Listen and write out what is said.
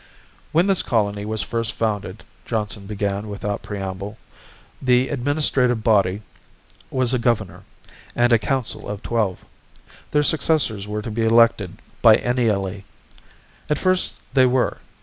"When this colony was first founded," Johnson began without preamble, "the administrative body was a governor, and a council of twelve. Their successors were to be elected biennially. At first they were.